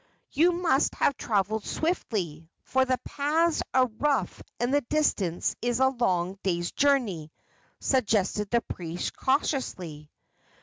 "You must have traveled swiftly, for the paths are rough and the distance is a long day's journey," suggested the priest, cautiously.